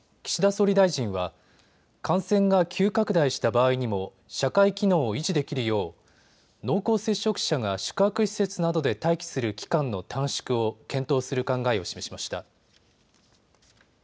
岸田総理大臣は感染が急拡大した場合にも社会機能を維持できるよう濃厚接触者が宿泊施設などで待機する期間の短縮を検討する考えを示しました。